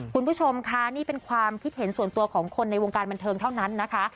คุณผู้ชมค่ะนี่เป็นความคิดเห็นส่วนตัวของคนในวงการบันเทิงเท่านั้นนะคะ